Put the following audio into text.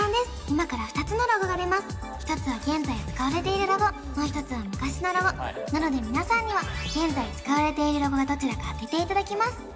今から２つのロゴが出ます一つは現在使われているロゴもう一つは昔のロゴなので皆さんには現在使われているロゴがどちらか当てていただきます